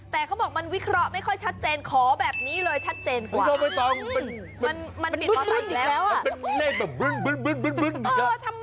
แต่เขาบอกมันวิเคราะห์ไม่ค่อยชัดเจนขอแบบนี้เลยชัดเจนก่อน